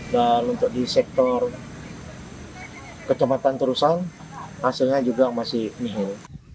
dan untuk di sektor kejamatan tarusan hasilnya juga masih nihil